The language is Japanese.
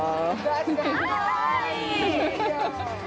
あかわいい！